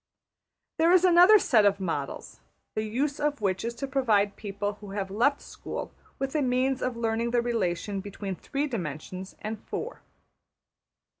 There is another set of models, the use of which is to provide people who have left school with a means of learning the relation between three dimensions and four.